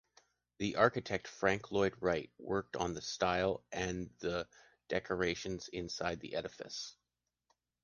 The architect Franck Lloyd Wright worked on the style and the decorations inside the edifice.